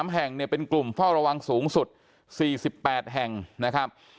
๓แห่งเนี่ยเป็นกลุ่มเฝ้าระวังสูงสุด๔๘แห่งนะครับ